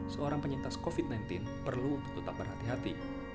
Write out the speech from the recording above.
seorang penyintas covid sembilan belas perlu tetap berhati hati